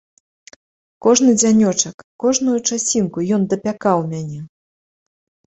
Кожны дзянёчак, кожную часінку ён дапякаў мяне.